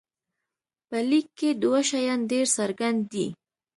په لیک کې دوه شیان ډېر څرګند دي.